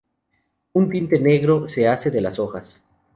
Un tinte negro se hace de las hojas.